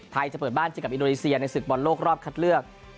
จะเปิดบ้านเจอกับอินโดนีเซียในศึกบอลโลกรอบคัดเลือก